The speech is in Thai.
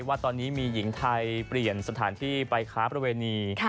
ว่าตอนนี้มีหญิงไทยเปลี่ยนสถานที่ไปค้าประเวณี